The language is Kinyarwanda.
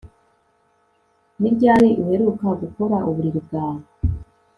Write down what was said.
Ni ryari uheruka gukora uburiri bwawe